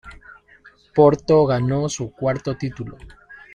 Porto ganó su cuarto título.